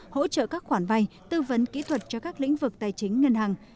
hỗ trợ các khoản vay tư vấn kỹ thuật cho các lĩnh vực tài chính ngân hàng